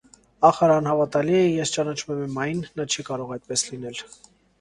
ախր անհավատալի է, ես ճանաչում եմ Էմմային, նա չի կարող այդպես լինել…